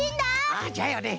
ああじゃよね。